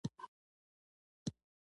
قلم د احساس اظهار دی